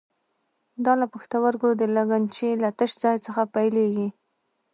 دا له پښتورګو د لګنچې له تش ځای څخه پیلېږي.